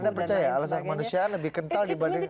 anda percaya alasan kemanusiaan lebih kental dibanding